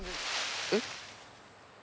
えっ？